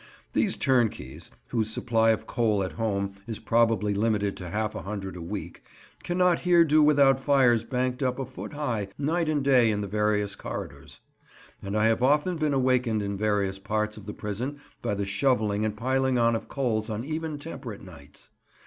These turnkeys, whose supply of coal at home is probably limited to half a hundred a week, cannot here do without fires banked up a foot high night and day in the various corridors; and I have often been awakened in various parts of the prison by the shovelling and piling on of coals on even temperate nights.